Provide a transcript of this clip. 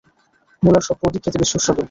মুলার সব পদই খেতে বেশ সুস্বাদু।